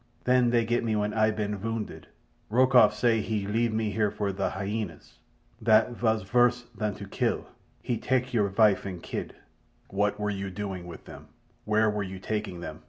Then they get me when Ay ban vounded. Rokoff he say leave me here for the hyenas. That vas vorse than to kill. He tak your vife and kid." "What were you doing with them—where were you taking them?"